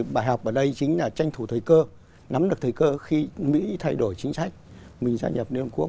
bài học ở đây chính là tranh thủ thời cơ nắm được thời cơ khi mỹ thay đổi chính sách mình gia nhập liên hợp quốc